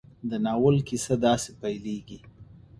د ناول کیسه داسې پيلېږي.